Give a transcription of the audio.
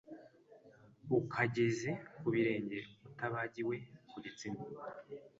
ukageze ku birenge utibagiwe ku gitsina